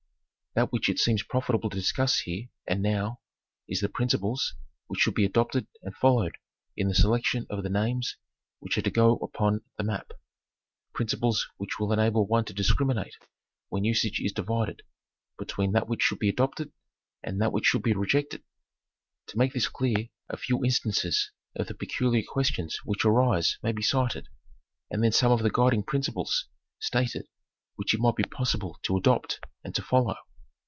That which it seems profitable to discuss here, and now, is the principles which should be adopted and followed in the selection of the names which are to go upon the map; principles which will enable one to discriminate when usage is divided, between that which should be adopted and that which should be rejected. To make this clear, a few instances of the peculiar questions which arise may be cited, and then some of the guiding principles stated which it might be possible to adopt and to follow.